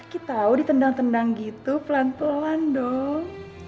sakit tau ditendang tendang gitu pelan pelan dong